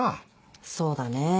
そうだね。